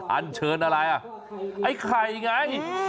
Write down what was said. อันเชิญอะไรอ่ะไอ้ไข่ไง